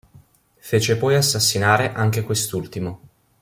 Fece poi assassinare anche quest'ultimo.